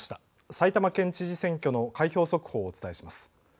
埼玉県知事選挙の開票速報をお伝えします。